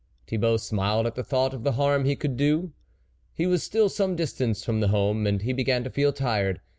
Thibault smiled at the thought of the harm he could do. He was still some distance from home, and he began to feel tired.